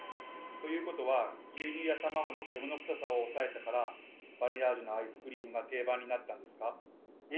ということは牛乳や卵の獣臭さを抑えたからバニラ味のアイスクリームが定番になったんですか？